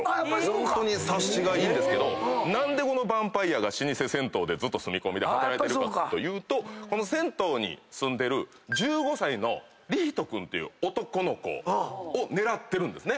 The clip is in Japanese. ホントに察しがいいんですけど何でこのバンパイアが老舗銭湯で住み込みで働いてるかというとこの銭湯に住んでる１５歳の李仁君っていう男の子を狙ってるんですね。